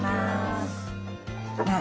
うん。